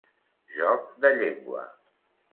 Joc de llengua.